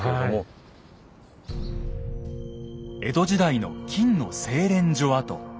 江戸時代の金の精錬所跡。